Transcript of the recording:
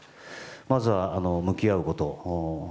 まずは、向き合うこと。